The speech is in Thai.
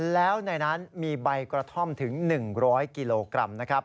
แล้วในนั้นมีใบกระท่อมถึง๑๐๐กิโลกรัมนะครับ